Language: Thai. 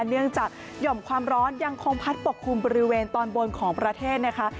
เนื่องจากหย่อมความร้อนยังคงพัดปกคลุมบริเวณตอนบนของประเทศนะคะ